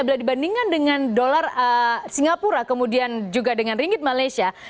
karena kita lihat dengan dollar singapura kemudian juga dengan ringgit malaysia